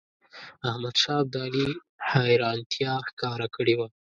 احمدشاه ابدالي حیرانیتا ښکاره کړې وه.